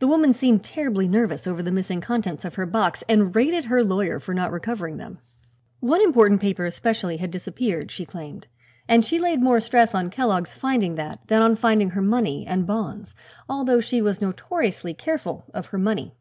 The woman seemed terribly nervous over the missing contents of her box and rated her lawyer for not recovering them. One important paper, especially, had disappeared, she claimed, and she laid more stress on Kellogg's finding that than on finding her money and bonds, although she was notoriously careful of her money.